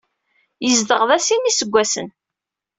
Yezdeɣ da sin n yiseggasen?